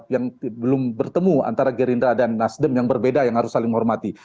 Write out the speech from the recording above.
yang belum bertemu antara gerindra dan nasdem yang berbeda yang harus saling menghormati